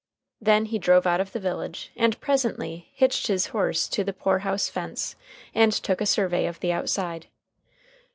Then he drove out of the village, and presently hitched his horse to the poor house fence, and took a survey of the outside.